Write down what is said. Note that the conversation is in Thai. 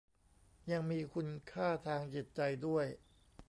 ยังมีคุณค่าทางจิตใจด้วย